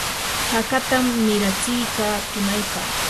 hakatam miratsiyka tunaypa.